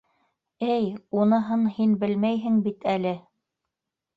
— Эй, уныһын һин белмәйһең бит әле.